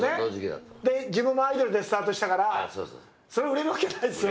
で、自分もアイドルでスタートしたから、そりゃ、売れるわけないですよね？